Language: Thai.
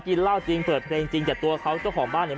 กินเหล้าจริงเปิดเพลงจริงแต่ตัวเขาเจ้าของบ้านเนี่ย